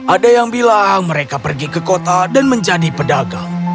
ada yang bilang mereka pergi ke kota dan menjadi pedagang